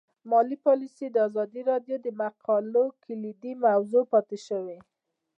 مالي پالیسي د ازادي راډیو د مقالو کلیدي موضوع پاتې شوی.